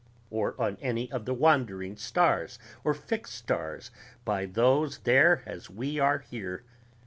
or on any of the wandering stars or fixed stars by those there as we are here